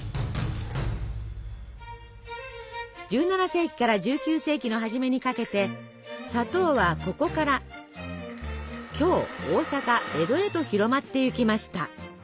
１７世紀から１９世紀の初めにかけて砂糖はここから京大坂江戸へと広まっていきました。